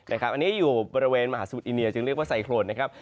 อันนี้อยู่บริเวณมหาสมุทรอินเดียจึงเรียกว่าไซโครนนะครับ